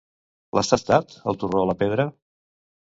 L'has tastat, el torró a la pedra?